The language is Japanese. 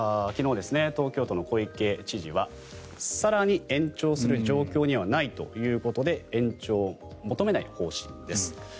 昨日、東京都の小池知事は更に延長する状況にはないということで延長を求めない方針です。